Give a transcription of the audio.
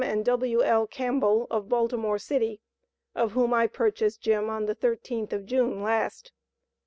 and W.L. Campbell, of Baltimore city, of whom I purchased Jim on the 13th of June last.